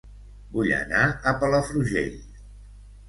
Vull anar a Palafrugell